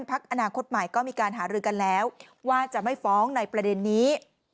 พักอนาคตใหม่ก็มีการหารือกันแล้วว่าจะไม่ฟ้องในประเด็นนี้